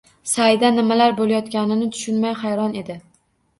Saida nimalar bo`layotganini tushunmay xayron edi